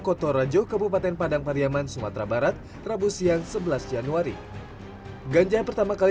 kotorajo kabupaten padang pariaman sumatera barat rabu siang sebelas januari ganja pertama kali